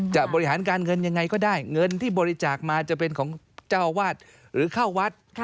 บริหารการเงินยังไงก็ได้เงินที่บริจาคมาจะเป็นของเจ้าวาดหรือเข้าวัด